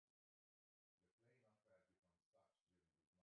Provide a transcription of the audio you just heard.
The "Plame affair" becomes such during this month.